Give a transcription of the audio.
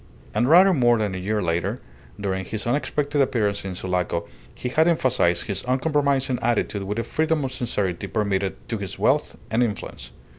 And rather more than a year later, during his unexpected appearance in Sulaco, he had emphasized his uncompromising attitude with a freedom of sincerity permitted to his wealth and influence.